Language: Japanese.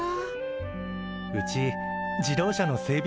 うち自動車の整備